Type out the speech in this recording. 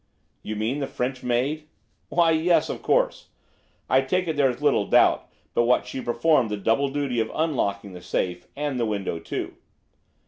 "You mean the French maid?" "Why, yes, of course. I take it there's little doubt but what she performed the double duty of unlocking the safe and the window too.